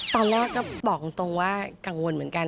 ตอนแรกก็บอกตรงว่ากังวลเหมือนกัน